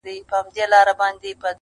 o توري چرگي سپيني هگۍ اچوي!